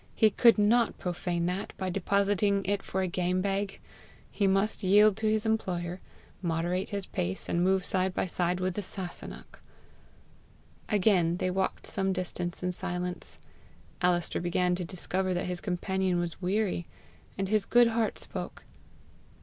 he could not profane that by depositing it for a game bag! He must yield to his employer, moderate his pace, and move side by side with the Sasunnach! Again they walked some distance in silence. Alister began to discover that his companion was weary, and his good heart spoke.